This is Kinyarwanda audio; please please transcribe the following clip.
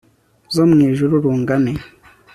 zo mu ijuru rungane